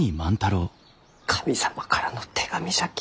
神様からの手紙じゃき。